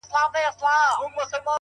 تاسي له خدایه سره څه وکړل کیسه څنګه سوه”